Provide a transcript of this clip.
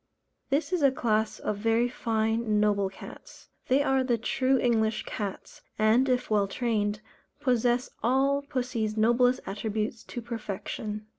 This is a class of very fine, noble cats. They are the true English cats, and, if well trained, possess all pussy's noblest attributes to perfection.